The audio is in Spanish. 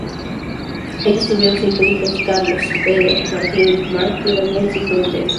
Ellos tuvieron cinco hijos: Carlos, Pedro, Martín, Mark y Daniel Cifuentes.